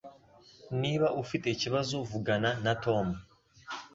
Niba ufite ikibazo vugana na Tom